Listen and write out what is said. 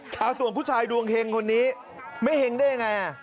เอาส่วนผู้ชายดวงเฮงคนนี้ไม่เห็งได้ยังไง